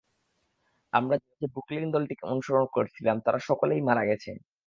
আমরা যে ব্রুকলিন দলটিকে অনুসরণ করছিলাম, তারা সকলে মারা গেছে।